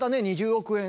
２０億円？